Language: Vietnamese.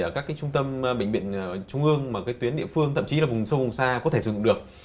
các trung tâm bệnh viện trung ương tuyến địa phương thậm chí là vùng sâu vùng xa có thể sử dụng được